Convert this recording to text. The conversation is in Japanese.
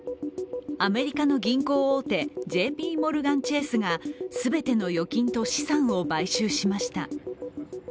アメリカの銀行大手、ＪＰモルガン・チェースが全ての預金と資産を買収しました。